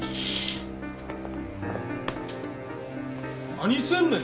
何すんねん！